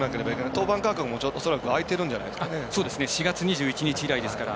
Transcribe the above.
登板間隔も、恐らく開いてるんじゃないですかね。